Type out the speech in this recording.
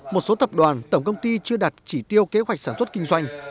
một số tập đoàn tổng công ty chưa đặt chỉ tiêu kế hoạch sản xuất kinh doanh